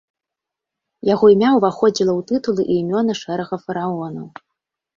Яго імя ўваходзіла ў тытулы і імёны шэрага фараонаў.